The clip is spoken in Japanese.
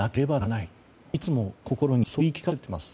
いつも、心にそう言い聞かせています。